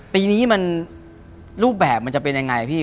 ปีนี้มันรูปแบบมันจะเป็นยังไงพี่